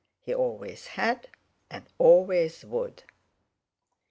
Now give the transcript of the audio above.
He always had and always would.